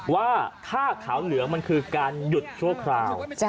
ว่าผ้าขาวเหลืองมันคือการหยุดชั่วคราว